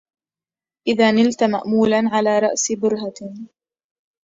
إذا نلت مأمولا على رأس برهة